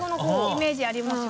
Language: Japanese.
イメージあります。